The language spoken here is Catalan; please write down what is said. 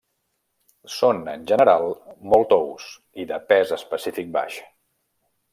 Són en general molt tous i de pes específic baix.